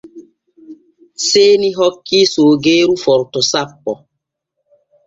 Seeni hokki soogeeru forto sappo.